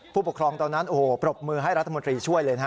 ผู้ปกครองตอนนั้นโอ้โหปรบมือให้รัฐมนตรีช่วยเลยนะฮะ